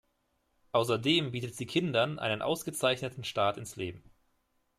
Außerdem bietet sie Kindern einen ausgezeichneten Start ins Leben.